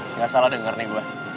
nggak salah dengar nih gue